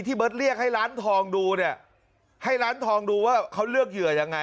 เบิร์ตเรียกให้ร้านทองดูเนี่ยให้ร้านทองดูว่าเขาเลือกเหยื่อยังไง